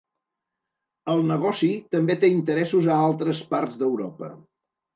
El negoci també té interessos a altres parts d'Europa.